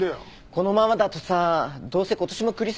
このままだとさどうせ今年もクリスマスずっと仕事だしね。